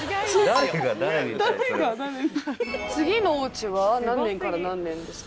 次のお家は何年から何年ですか？